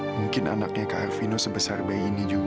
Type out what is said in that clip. mungkin anaknya kak arvino sebesar bayi ini juga